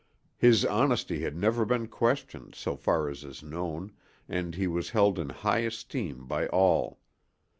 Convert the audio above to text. His honesty had never been questioned, so far as is known, and he was held in high esteem by all.